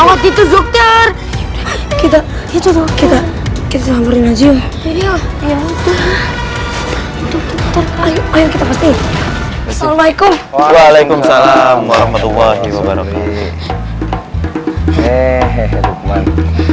ayo kita pasti assalamualaikum waalaikumsalam warahmatullah